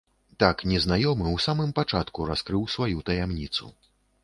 Так незнаёмы ў самым пачатку раскрыў сваю таямніцу.